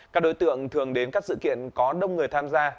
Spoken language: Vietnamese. các đối tượng thường đến các sự kiện có đông người tham gia